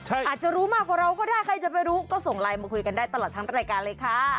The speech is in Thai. อาจจะรู้มากกว่าเราก็ได้ใครจะไปรู้ก็ส่งไลน์มาคุยกันได้ตลอดทั้งรายการเลยค่ะ